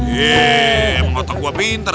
yee emang otak gua pinter